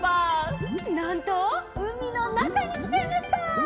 なんとうみのなかにきちゃいました！